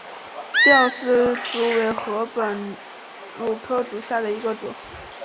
吊丝竹为禾本科牡竹属下的一个种。